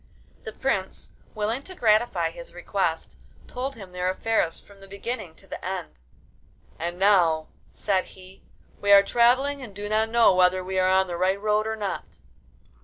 The prince, willing to gratify his request, told him their affairs from the beginning to the end. 'And now,' said he, 'we are travelling, and do not know whether we are on the right road or not.